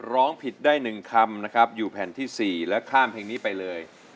ร้องผิดได้๑คำนะครับอยู่แผ่นที่๔และข้ามเพลงนี้ไปเลย